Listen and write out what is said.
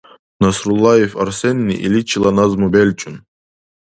Насруллаев Арсенни иличила назму белчӀун.